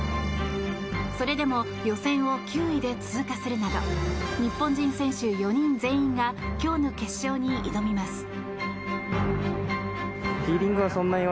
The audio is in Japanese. それでも予選を９位で通過するなど日本人選手４人全員が今日の決勝に挑みます。